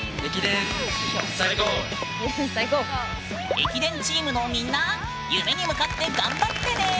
駅伝チームのみんな夢に向かって頑張ってね！